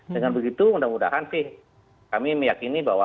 dengan begitu mudah mudahan sih kami meyakini bahwa